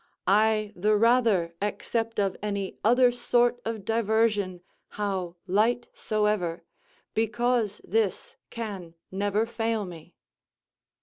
I the rather accept of any other sort of diversion, how light soever, because this can never fail me.